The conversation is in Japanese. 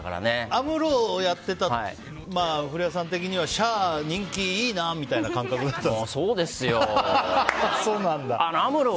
アムロをやっていた古谷さん的にはシャア、人気いいなって感覚でしたか。